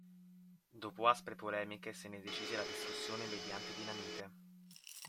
Dopo aspre polemiche se ne decise la distruzione mediante dinamite.